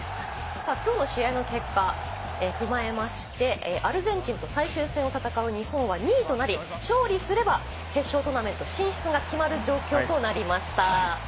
きょうの試合の結果を踏まえまして、アルゼンチンと最終戦を戦う日本は２位となり、勝利すれば決勝トーナメント進出が決まる状況となりました。